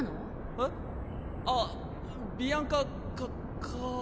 えっ？あっビアンカカカ。